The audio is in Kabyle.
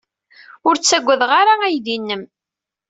Ur ttaggadeɣ ara aydi-nnem.